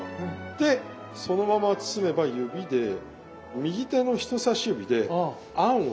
でそのまま包めば指で右手の人さし指で餡を攻めてく。